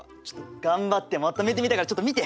頑張ってまとめてみたからちょっと見て！